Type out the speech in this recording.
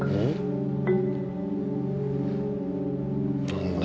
何だ？